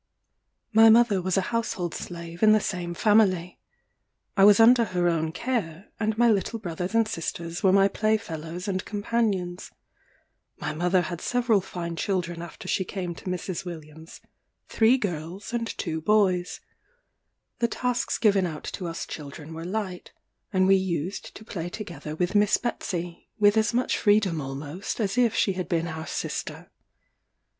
My mother was a household slave in the same family. I was under her own care, and my little brothers and sisters were my play fellows and companions. My mother had several fine children after she came to Mrs. Williams, three girls and two boys. The tasks given out to us children were light, and we used to play together with Miss Betsey, with as much freedom almost as if she had been our sister.